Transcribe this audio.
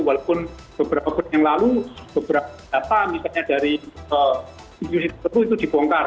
walaupun beberapa bulan yang lalu beberapa data misalnya dari institusi tertentu itu dibongkar